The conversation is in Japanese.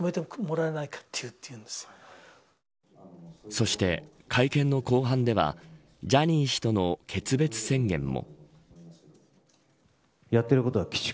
そして、会見の後半ではジャニー氏との決別宣言も。